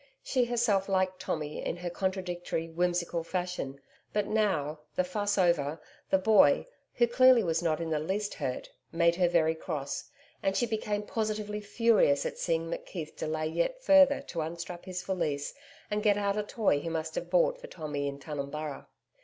She herself liked Tommy in her contradictory, whimsical fashion; but now, the fuss over, the boy who clearly was not in the least hurt made her very cross, and she became positively furious at seeing McKeith delay yet further to unstrap his valise and get out a toy he must have bought for Tommy in Tunumburra.